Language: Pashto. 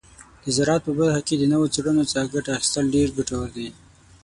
د زراعت په برخه کې د نوو څیړنو څخه ګټه اخیستل ډیر ګټور دي.